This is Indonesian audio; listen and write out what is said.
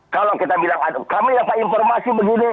kalau kita bilang kami dapat informasi begini